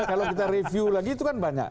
kalau kita review lagi itu kan banyak